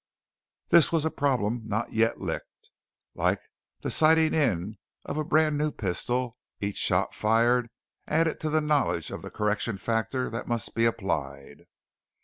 This was a problem not yet licked. Like the 'sighting in' of a brand new pistol, each shot fired added to the knowledge of the correction factor that must be applied.